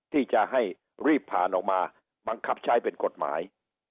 ที่จะให้รีบผ่านออกมาบังคับใช้เป็นกฎหมาย